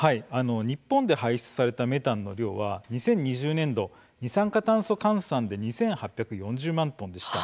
日本で排出されたメタンの量は２０２０年度二酸化炭素換算で２８４０万トンでした。